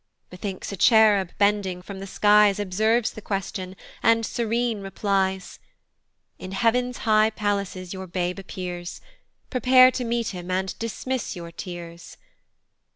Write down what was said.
Methinks a cherub bending from the skies Observes the question, and serene replies, "In heav'ns high palaces your babe appears: "Prepare to meet him, and dismiss your tears."